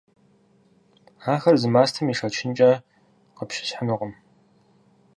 Ахэр зы мастэм ишэчынкӀэ къыпщысхьынукъым.